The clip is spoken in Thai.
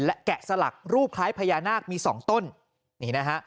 และแกะสลักรูปคล้ายพญานาคมีสองต้นนี่นะฮะ